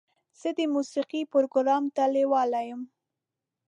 زه د موسیقۍ پروګرام ته لیواله یم.